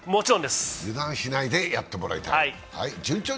油断しないでやってもらいたい。